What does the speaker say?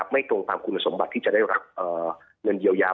ไม่ตรงตามคุณสมบัติที่จะได้รับเงินเยียวยา